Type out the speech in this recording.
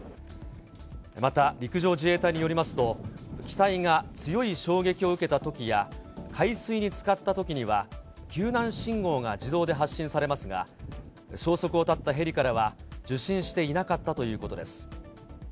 また陸上自衛隊によりますと、機体が強い衝撃を受けたときや海水につかったときには、救難信号が自動で発信されますが、消息を絶ったヘリからは、受信していなかったということです。